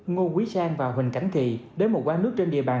ngô quý sang và huỳnh cảnh kỳ đến một quán nước trên địa bàn